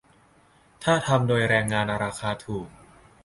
ถ้าทำโดยแรงงานราคาถูก ?